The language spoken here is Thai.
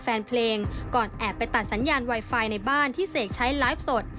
แฟนเพลงก่อนแอบไปตัดสัญญาณไวไฟในบ้านที่เสกใช้ไลฟ์สด